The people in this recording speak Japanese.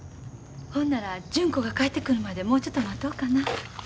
ほんなら純子が帰ってくるまでもうちょっと待とうかな。